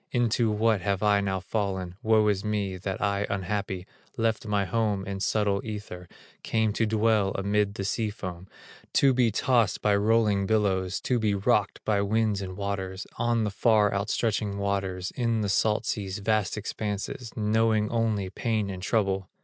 Into what have I now fallen? Woe is me, that I unhappy, Left my home in subtle ether, Came to dwell amid the sea foam, To be tossed by rolling billows, To be rocked by winds and waters, On the far outstretching waters, In the salt sea's vast expanses, Knowing only pain and trouble!